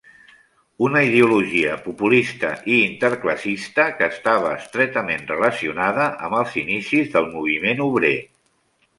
Una ideologia populista i interclassista, que estava estretament relacionada amb els inicis del moviment obrer.